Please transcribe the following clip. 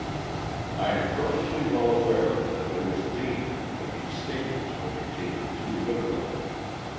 I am perfectly well aware that there is danger that these statements will be taken too literally.